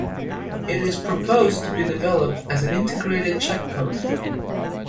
It is proposed to be developed as an Integrated Check Post.